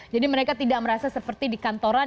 jadi mereka tidak merasa seperti di kantoran